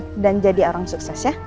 pintar dan jadi orang sukses ya